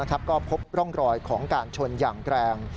ก็พบร่องรอยของการชนอย่างแรง